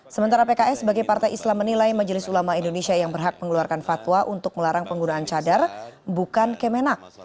sementara pks sebagai partai islam menilai majelis ulama indonesia yang berhak mengeluarkan fatwa untuk melarang penggunaan cadar bukan kemenak